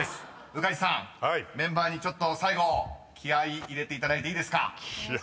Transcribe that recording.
宇梶さんメンバーにちょっと最後気合入れていただいていいですか？］